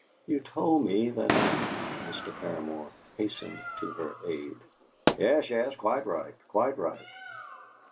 You told me that I " Mr. Paramor hastened to her aid. "Yes, yes; quite right quite right."